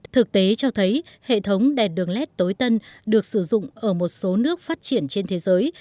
thực tế cho thấy hệ thống đèn đường led tối tân được sử dụng ở một số nước phát triển trên thế giới